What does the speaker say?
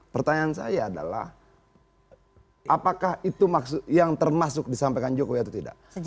pertanyaan saya adalah apakah itu yang termasuk disampaikan jokowi atau tidak